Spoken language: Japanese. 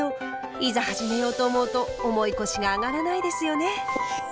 いざ始めようと思うと重い腰があがらないですよね。